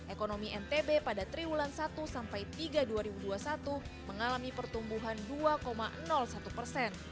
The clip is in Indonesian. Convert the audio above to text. ekonomi ntb pada triwulan satu sampai tiga dua ribu dua puluh satu mengalami pertumbuhan dua satu persen